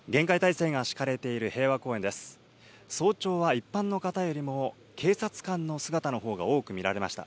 早朝は一般の方よりも警察官の姿の方が多く見られました。